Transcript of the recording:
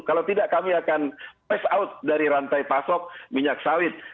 kalau tidak kami akan pass out dari rantai pasok minyak sawit